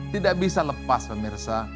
tidak bisa lepas pemirsa